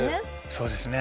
そうですね。